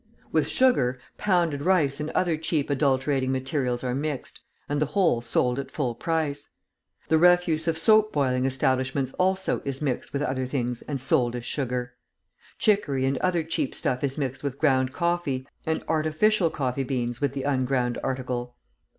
With sugar, pounded rice and other cheap adulterating materials are mixed, and the whole sold at full price. The refuse of soap boiling establishments also is mixed with other things and sold as sugar. Chicory and other cheap stuff is mixed with ground coffee, and artificial coffee beans with the unground article.